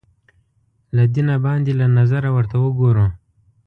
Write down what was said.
له دینه باندې له نظره ورته وګورو